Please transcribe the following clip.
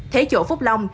thế chỗ phúc long